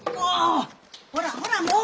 ほらほらもう。